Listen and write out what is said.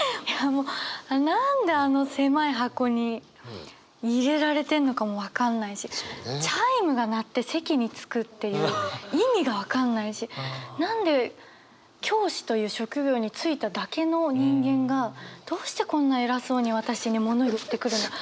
何であの狭い箱に入れられてんのかも分かんないしチャイムが鳴って席に着くっていう意味が分かんないし何で教師という職業に就いただけの人間がどうしてこんな偉そうに私に物言ってくるのか。